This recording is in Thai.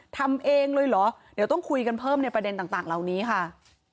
ทำเองเลยเหรอเดี๋ยวต้องคุยกันเพิ่มในประเด็นต่างเหล่านี้ค่ะ